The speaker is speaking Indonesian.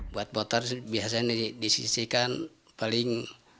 buat motor biasanya disisikan paling delapan ratus lima puluh